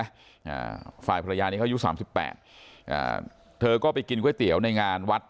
อ่าฝ่ายภรรยานี้เขาอายุสามสิบแปดอ่าเธอก็ไปกินก๋วยเตี๋ยวในงานวัด